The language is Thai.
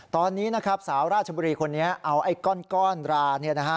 ตอนนี้สาวราชบุรีคนนี้เอาไอ้ก้อนรา